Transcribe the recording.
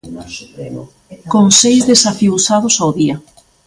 Con seis desafiuzados ao día.